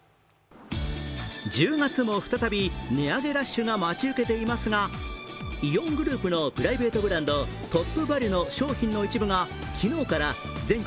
１０月も再び値上げラッシュが待ち受けていますが、イオングループのプライベートブランドトップバリュの商品の一部が昨日から全国